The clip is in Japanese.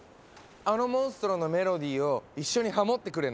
あのモンストロのメロディーを一緒にハモってくれない？